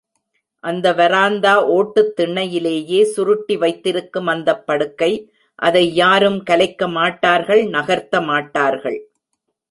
அந்த வராந்தா ஒட்டுத் திண்ணையிலேயே சுருட்டி வைத்திருக்கும் அந்தப் படுக்கை, அதை யாரும் கலைக்கமாட்டார்கள், நகர்த்தமாட்டார்கள்.